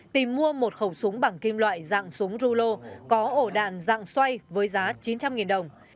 tìm mua một khẩu súng bằng kim loại dạng súng rulo có ổ đạn dạng xoay với giá chín trăm linh đồng